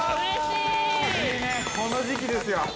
◆いいね、この時期ですよ。